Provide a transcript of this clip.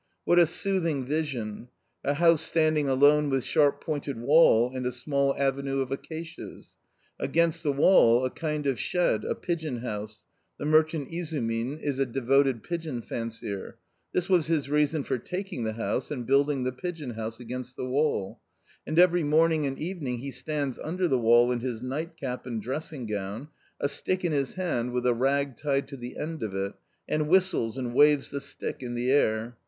What a soothing vision ! A house standing alone with sharp pointed wall and a small avenue of acacias. Against the wall a kind of shed, a pigeon house — the merchant Izumin is a devoted pigeon fancier ; this was his reason for taking the house and build ing the pigeon house against the wall ; and every morning and evening he stands under the wall in his nightcap and dressing gown^ a stick in his hand with a rag tied to the end "oTTt, ana whistles and waves the stick in the air.